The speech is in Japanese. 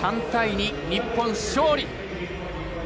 ３対２、日本勝利。